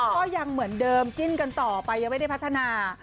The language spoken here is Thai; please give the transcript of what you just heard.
ก็ยังเหมือนเดิมจิ้นกันต่อไปยังไม่ได้พัฒนา